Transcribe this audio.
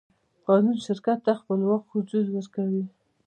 قانون شرکت ته خپلواک وجود ورکوي.